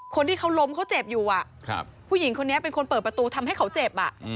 คนที่เขาล้มเขาเจ็บอยู่ผู้หญิงคนนี้เป็นคนเปิดประตูทำให้เขาเจ็บ